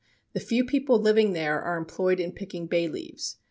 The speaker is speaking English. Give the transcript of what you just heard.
The few people living there are employed in picking bay leaves.